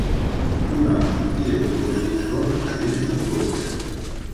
Un home i dos gossos són a dins d'un cotxe.